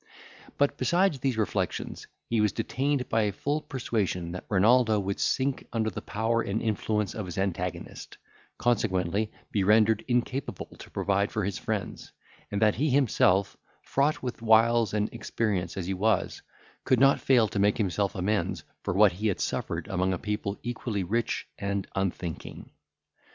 But, besides these reflections, he was detained by a full persuasion that Renaldo would sink under the power and influence of his antagonist, consequently be rendered incapable to provide for his friends; and that he himself, fraught with wiles and experience as he was, could not fail to make himself amends for what he had suffered among a people equally rich and unthinking.